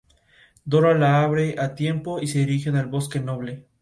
Además de este en los alrededores de la laguna se sitúan cuatro sitios arqueológicos.